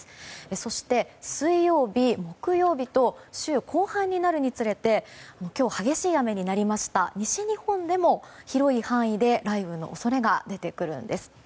そして水曜日、木曜日と週後半になるにつれて今日激しい雨になりました西日本でも広い範囲で雷雨の恐れが出てくるんです。